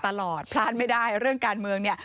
พลาดไม่ได้เรื่องการเมืองเนี่ย